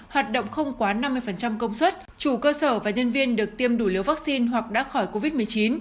hoạt động không quá năm mươi công suất chủ cơ sở và nhân viên được tiêm đủ liều vaccine hoặc đã khỏi covid một mươi chín